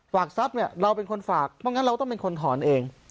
ทรัพย์เนี่ยเราเป็นคนฝากเพราะงั้นเราต้องเป็นคนถอนเอง